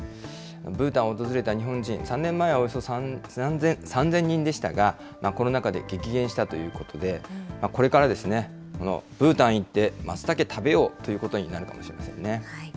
ブータンを訪れた日本人、３年前はおよそ３０００人でしたが、コロナ禍で激減したということで、これからですね、ブータン行ってマツタケ食べようということになるかもしれませんね。